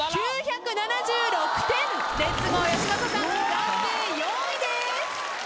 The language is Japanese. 暫定４位です。